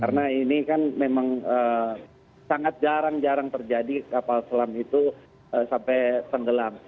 karena ini kan memang sangat jarang jarang terjadi kapal selam itu sampai tenggelam